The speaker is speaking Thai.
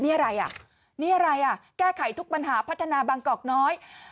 นี่อะไรอ่ะนี่อะไรอ่ะแก้ไขทุกปัญหาพัฒนาบางกอกน้อย